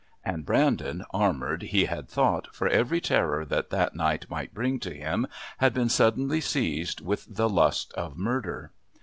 And Brandon, armoured, he had thought, for every terror that that night might bring to him, had been suddenly seized with the lust of murder.